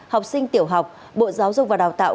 học sinh tiểu học bộ giáo dục và đào tạo